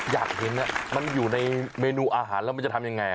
อยากเห็นมันอยู่ในเมนูอาหารแล้วมันจะทำยังไง